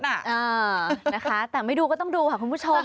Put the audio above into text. เออนะคะแต่ไม่ดูก็ต้องดูค่ะคุณผู้ชม